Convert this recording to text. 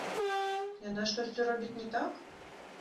Яна штосьці робіць не так?